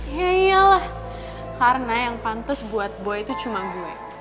iya iyalah karena yang pantas buat boy tuh cuma gue